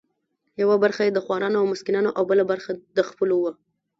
یوه برخه یې د خورانو او مسکینانو او بله برخه د خپلو وه.